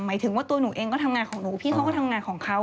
หมายถึงว่าตัวหนูเองก็ทำงานของหนูพี่เขาก็ทำงานของเขา